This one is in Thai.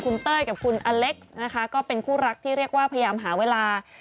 คุณเต้ยกับคุณอเล็กซ์นะคะก็เป็นคู่รักที่เรียกว่าพยายามหาเวลา